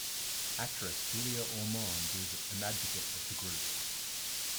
Actress Julia Ormond is an advocate of the group.